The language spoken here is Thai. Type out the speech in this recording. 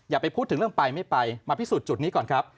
อย่าไปพูดถึงเรื่องไปไม่ไปมาพิสูจน์จุดนี้ก่อนครับ